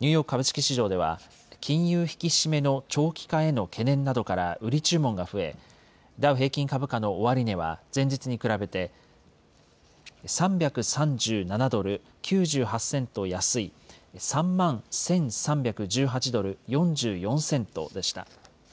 ニューヨーク株式市場では、金融引き締めの長期化への懸念などから売り注文が増え、ダウ平均株価の終値は、前日に比べて、３３７ドル９８セント安い、３万１３１８ドル４４セントでした。